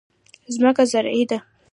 ځمکه زرعي ده.